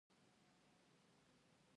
ارګون ښارګوټی دی؟